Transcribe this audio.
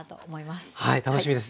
はい楽しみです。